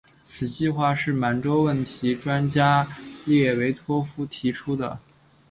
此计划是满洲问题专家列维托夫提出的。